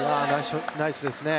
ナイスですね。